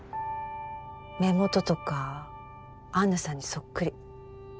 目元とか安奈さんにそっくり。